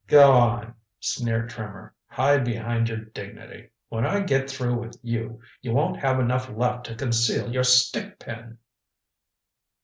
"Go on," sneered Trimmer. "Hide behind your dignity. When I get through with you you won't have enough left to conceal your stick pin."